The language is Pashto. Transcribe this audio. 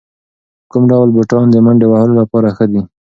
کوم ډول بوټان د منډې وهلو لپاره ښه دي؟